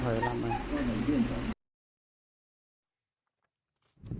ฝ่ายครับฝ่ายครับ